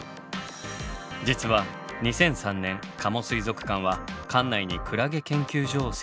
実は２００３年加茂水族館は館内にクラゲ研究所を設置したのです。